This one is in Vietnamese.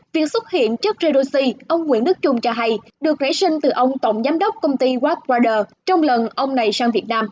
việc xuất hiện chất redoxy ông nguyễn đức trung cho hay được nể sinh từ ông tổng giám đốc công ty wattrider trong lần ông này sang việt nam